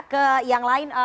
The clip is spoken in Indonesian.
ke yang lain